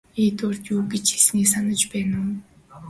Эдвардын юу гэж хэлснийг санаж байна уу?